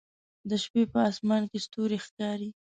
د شپې په اسمان کې ستوري ښکاري